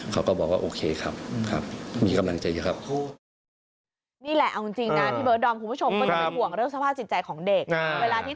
เขาก็บอกว่าโอเคครับ